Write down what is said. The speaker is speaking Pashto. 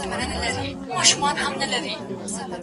هغې به تکه سپينه خوله باندې روژه راوړې